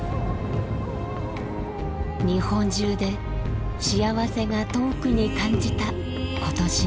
日本中でしあわせが遠くに感じた今年の冬。